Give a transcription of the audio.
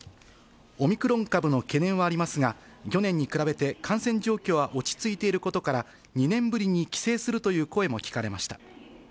オミクロン株の懸念はありますが、去年に比べて感染状況は落ち着いていることから、２年ぶりに帰省するという声も聞かれました。